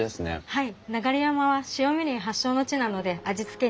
はい。